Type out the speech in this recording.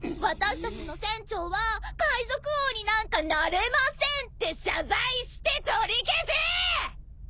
「私たちの船長は海賊王になんかなれません」って謝罪して取り消せ！